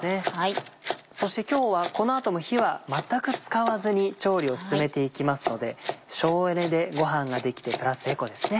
そして今日はこの後も火は全く使わずに調理を進めていきますので省エネでごはんが出来てプラスエコですね。